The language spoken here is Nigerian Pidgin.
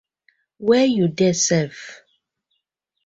Where yu dey sef?